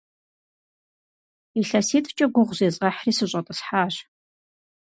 ИлъэситӀкӀэ гугъу зезгъэхьри, сыщӀэтӀысхьащ.